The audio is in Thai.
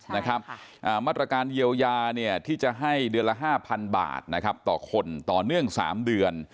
มาตรการเยียวยาที่จะให้เดือนละ๕๐๐๐บาทต่อคนต่อเนื่อง๓เดือน